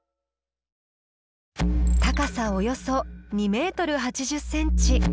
高さおよそ２メートル８０センチ。